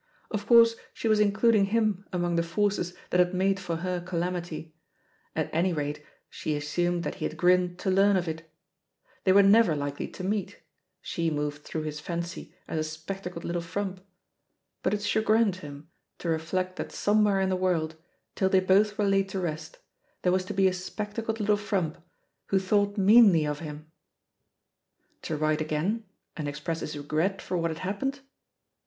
Of course, she was in cluding him among the forces that had made for her calamity — at any rate she assumed that he had grinned to learn of it I They were never likely to meet; she moved through his fancy as a spectacled little frump; but it chagrined him to reflect that somewhere in the world, till they both were laid to rest, there was to be a spectacled Uttle frump who thought meanly of him. ... To write again and express his regret for what had happened?